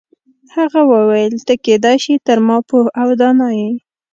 هغه وویل ته کیدای شي تر ما پوه او دانا یې.